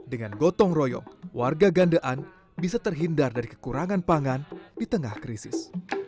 dengan gotong royong warga gandean bisa terhindar dari kekurangan pangan di tengah krisis